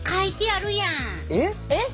えっ！？